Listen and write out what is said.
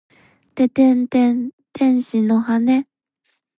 ててんてん天使の羽！